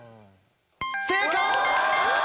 正解！